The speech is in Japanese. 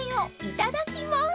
いただきます。